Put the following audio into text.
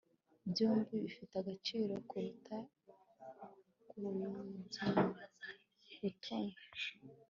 byombi bifite agaciro kuruta kugibutoni